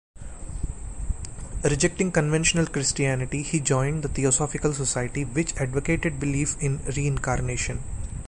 Rejecting conventional Christianity, he joined the Theosophical Society which advocated belief in reincarnation.